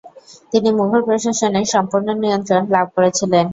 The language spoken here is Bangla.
তিনি মুঘল প্রশাসনের সম্পূর্ণ নিয়ন্ত্রণ লাভ করেছিলেন।